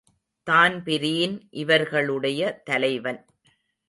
Dan Breen இவர்களுடைய தலைவன்.